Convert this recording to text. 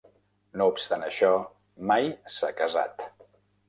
No obstant això, mai s'ha casat.